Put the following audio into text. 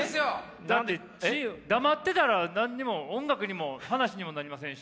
黙ってたら何にも音楽にも話にもなりませんし。